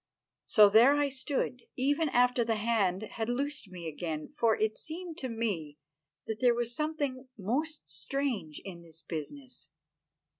So there I stood, even after the hand had loosed me again, for it seemed to me that there was something most strange in this business.